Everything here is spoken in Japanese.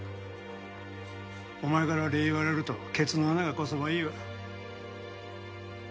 お前から礼言われるとケツの穴がこそばいいわ。